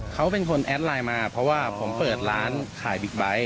เขาเป็นคนแอดไลน์มาเพราะว่าผมเปิดร้านขายบิ๊กไบท์